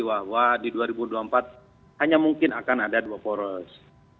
bahwa di dua ribu dua puluh empat hanya mungkin akan ada dua poros